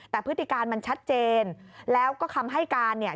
แต่พฤติการมันชัดเจนแล้วก็คำให้การเนี่ย